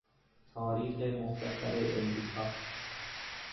تاریخ مختصر امریکا